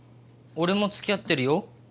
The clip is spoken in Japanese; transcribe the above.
俺もつきあってるよ